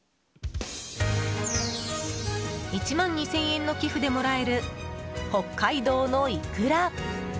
１万２０００円の寄付でもらえる北海道のイクラ。